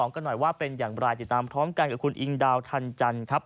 กันหน่อยว่าเป็นอย่างไรติดตามพร้อมกันกับคุณอิงดาวทันจันทร์ครับ